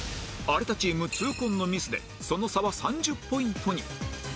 有田チーム痛恨のミスでその差は３０ポイントに